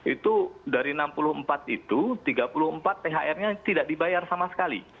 itu dari enam puluh empat itu tiga puluh empat thr nya tidak dibayar sama sekali